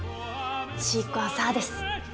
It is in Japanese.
シークワーサーです。